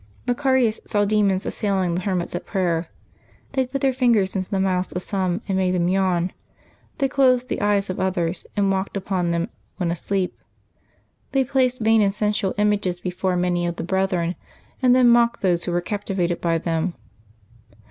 Macarius saw demons assailing the hermits at prayer. They put their fingers into the mouths of some, and made them yawn. They closed the eyes of others, and walked upon them when asleep. They placed vain and sensual images before many of the brethren, and then mocked those who were captivated by them.